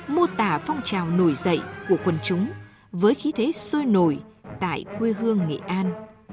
mô tả phong trào nổi dậy của quần chúng với khí thế sôi nổi tại quê hương nghệ an